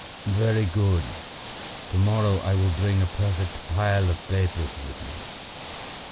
"Very good; to morrow I will bring a perfect pile of papers with me."